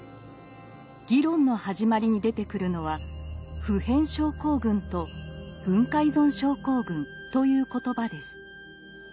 議論の始まりに出てくるのは「普遍症候群」と「文化依存症候群」という言葉です。